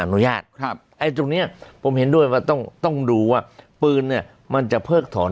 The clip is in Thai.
อนุญาตครับไอ้ตรงเนี้ยผมเห็นด้วยว่าต้องต้องดูว่าปืนเนี่ยมันจะเพิกถอน